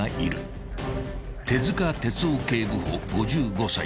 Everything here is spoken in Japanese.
［手塚哲男警部補５５歳］